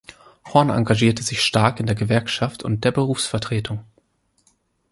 Horn engagierte sich stark in der Gewerkschaft und der Berufsvertretung.